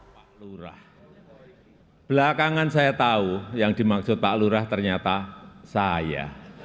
pak lurah belakangan saya tahu yang dimaksud pak lurah ternyata saya